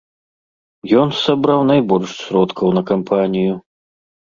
Ён сабраў найбольш сродкаў на кампанію.